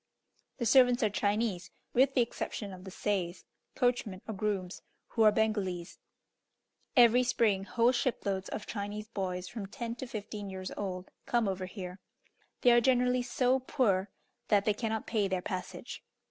The servants are Chinese, with the exception of the seis (coachmen or grooms), who are Bengalese. Every spring, whole shiploads of Chinese boys, from ten to fifteen years old, come over here. They are generally so poor that they cannot pay their passage.